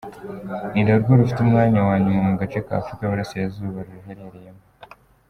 Ni narwo rufite umwanya wa nyuma mu gace kAfurika yiburasirazuba ruherereyemo.